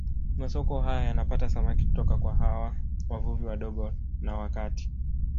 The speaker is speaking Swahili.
Masoko haya yanapata samaki kutoka kwa hawa wavuvi wadogo na wa kati